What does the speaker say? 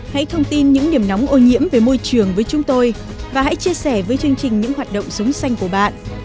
hãy thông tin những điểm nóng ô nhiễm về môi trường với chúng tôi và hãy chia sẻ với chương trình những hoạt động sống xanh của bạn